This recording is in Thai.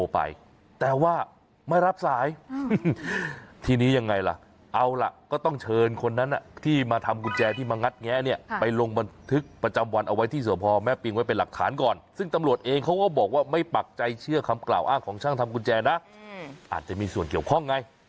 ประจำวันเอาไว้ที่ส่วนพอแม่ปิงไว้เป็นหลักฐานก่อนซึ่งตำรวจเองเขาก็บอกว่าไม่ปักใจเชื่อคำกล่าวอ้างของช่างทำกุญแจนะอาจจะมีส่วนเกี่ยวข้องไง